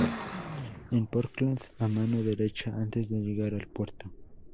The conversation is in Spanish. En Portland, a mano derecha antes de llegar al puerto.